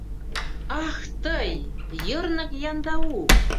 «Ах, тый, йырнык яндау!